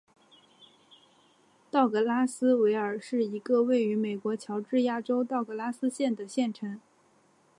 道格拉斯维尔是一个位于美国乔治亚州道格拉斯县的城市。